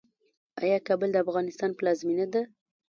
آیا کابل د افغانستان پلازمینه ده؟